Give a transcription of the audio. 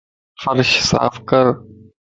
فرش صاف ڪر